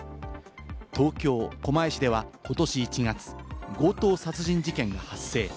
東京・狛江市ではことし１月、強盗殺人事件が発生。